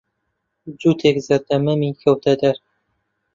جووتیک زەردە مەمی کەوتەدەرە.